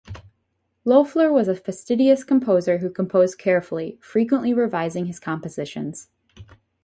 Loeffler was a fastidious composer who composed carefully, frequently revising his compositions.